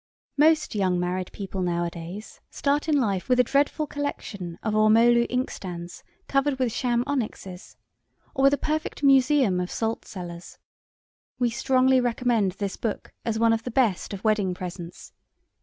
Most young married people nowadays start in life with a dreadful collection of ormolu inkstands covered with sham onyxes, or with a perfect museum of salt cellars. We strongly recommend this book as one of the best of wedding presents.